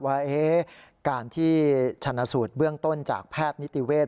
ว่าการที่ชนะสูตรเบื้องต้นจากแพทย์นิติเวศ